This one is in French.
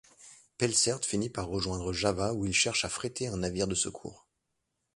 Pelsaert finit par rejoindre Java où il cherche à fréter un navire de secours.